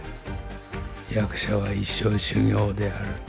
「役者は一生修業である」と。